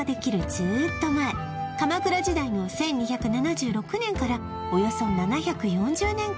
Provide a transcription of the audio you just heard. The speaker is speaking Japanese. ずーっと前鎌倉時代の１２７６年からおよそ７４０年間